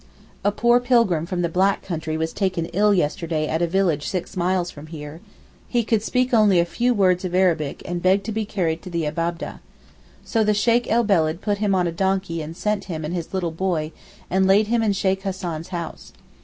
A poor pilgrim from the black country was taken ill yesterday at a village six miles from here, he could speak only a few words of Arabic and begged to be carried to the Abab'deh. So the Sheykh el Beled put him on a donkey and sent him and his little boy, and laid him in Sheykh Hassan's house.